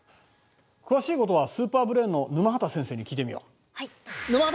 詳しいことはスーパーブレーンの沼畑先生に聞いてみよう。